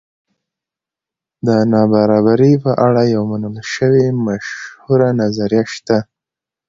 د نابرابرۍ په اړه یوه منل شوې مشهوره نظریه شته.